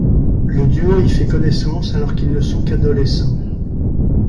Le duo y fait connaissance alors qu'ils ne sont qu'adolescents.